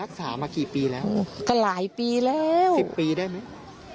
รักษามากี่ปีแล้วก็หลายปีแล้วสิบปีได้ไหม